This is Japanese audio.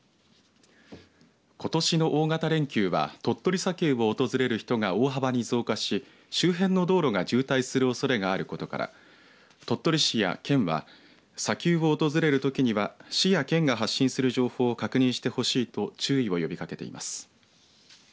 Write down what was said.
ことしの大型連休は鳥取砂丘を訪れる人が大幅に増加し周辺の道路が渋滞するおそれがあることから鳥取市や県は砂丘を訪れるときには市や県が発信する情報を確認してほしいと注意を呼びかけています。